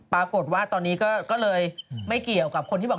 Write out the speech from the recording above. ปรากฏว่าตอนนี้ก็เลยไม่เกี่ยวกับคนที่บอก